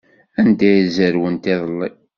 Anda ay zerwent iḍelli?